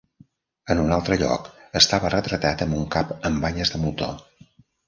En un altre lloc, estava retratat amb un cap amb banyes de moltó.